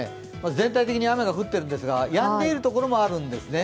全体的に雨が降っているんですが、やんでいるところもあるんですね。